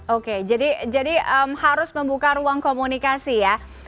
oke jadi harus membuka ruang komunikasi ya